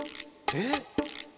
えっ？